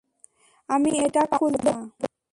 আমি এটা খুলতে পারবো না।